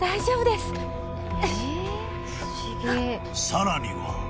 ［さらには］